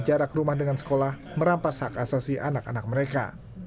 jarak rumah dengan sekolah merampas hak asasi anak anak mereka